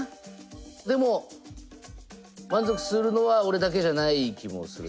でも満足するのは俺だけじゃない気もするし。